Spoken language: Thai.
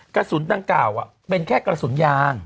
กระสุนดังกล่าวเป็นแค่กระสุนยาง